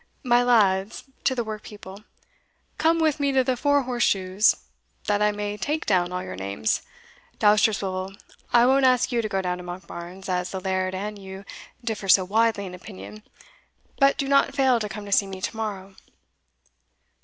"My lads" (to the work people), "come with me to the Four Horse shoes, that I may take down all your names. Dousterswivel, I won't ask you to go down to Monkbarns, as the laird and you differ so widely in opinion; but do not fail to come to see me to morrow."